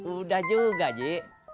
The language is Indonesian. udah juga ji